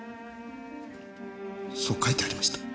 そう書いてありました。